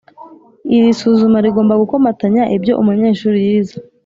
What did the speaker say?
iri suzuma rigomba gukomatanya ibyo umunyeshuri yize